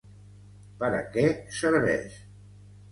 Per a què serveix?